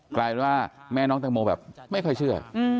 กลายเป็นว่าแม่น้องแตงโมแบบไม่ค่อยเชื่อ